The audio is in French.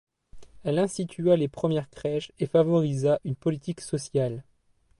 Elle institua les premières crèches et favorisa une politique sociale.